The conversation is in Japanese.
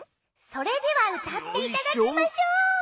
それではうたっていただきましょう。